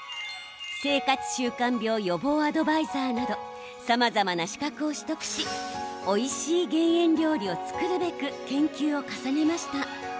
生活習慣病予防アドバイザーなどさまざまな資格を取得しおいしい減塩料理を作るべく研究を重ねました。